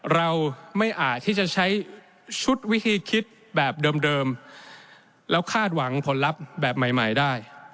เราไม่อาจที่จะใช้ชุดวิธีคิดแบบเดิมแล้วคาดหวังผลลัพธ์แบบใหม่ได้